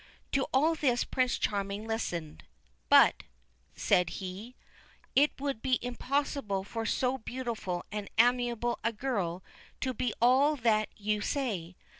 To all this Prince Charming listened. ' But,' said he, ' it would be impossible for so beautiful and amiable a girl to be all that you say.